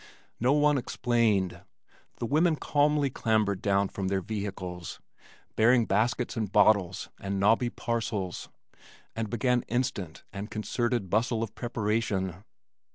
No one explained. The women calmly clambered down from their vehicles, bearing baskets and bottles and knobby parcels, and began instant and concerted bustle of preparation.